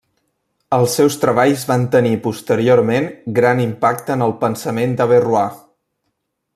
Els seus treballs van tenir posteriorment gran impacte en el pensament d'Averrois.